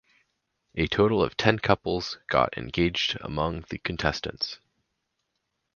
A total of ten couples got engaged among the contestants.